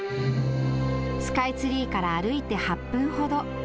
スカイツリーから歩いて８分ほど。